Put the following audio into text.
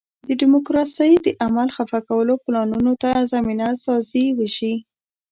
د ډیموکراسۍ د عمل خفه کولو پلانونو ته زمینه سازي وشي.